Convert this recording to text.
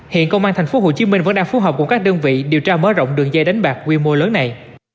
hiện công an tp hcm vẫn đang phù hợp cùng các đơn vị điều tra mở rộng đường dây đánh bạc quy mô lớn này